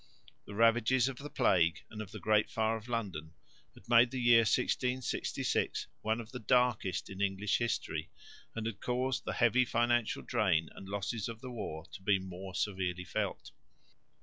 The ravages of the plague and of the Great Fire of London had made the year 1666 one of the darkest in English history and had caused the heavy financial drain and losses of the war to be more severely felt.